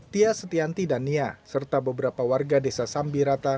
tia setianti dan nia serta beberapa warga desa sambirata